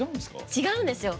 違うんですよ。